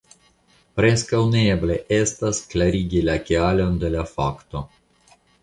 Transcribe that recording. Preskaŭ neeble estas, klarigi la kialon de la fakto.